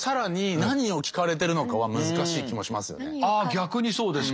逆にそうですか。